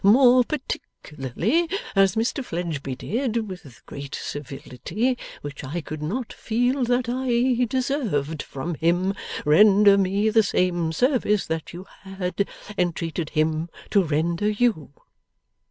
More particularly, as Mr Fledgeby did, with great civility, which I could not feel that I deserved from him, render me the same service that you had entreated him to render you.